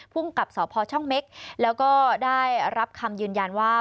กับสพช่องเม็กแล้วก็ได้รับคำยืนยันว่า